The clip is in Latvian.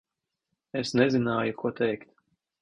Es nezināju, ko teikt.